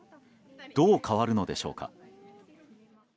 どう変わるのでしょうか。